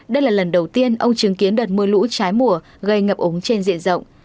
đây là lần đầu tiên ông chứng kiến đợt mưa lũ trái mùa gây ngập ống trên diện rộng